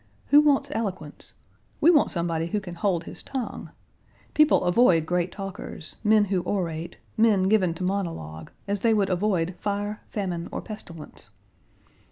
Who wants eloquence? We want somebody who can hold his tongue. People avoid great talkers, men who orate, men given to monologue, as they would avoid fire, famine, or pestilence.